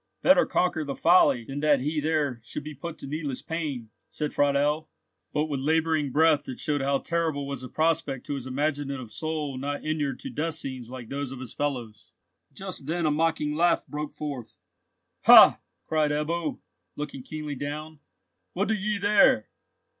"Better conquer the folly than that he there should be put to needless pain," said Friedel, but with labouring breath that showed how terrible was the prospect to his imaginative soul not inured to death scenes like those of his fellows. Just then a mocking laugh broke forth. "Ha!" cried Ebbo, looking keenly down, "what do ye there?